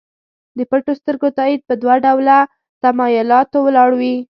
د پټو سترګو تایید په دوه ډوله تمایلاتو ولاړ وي.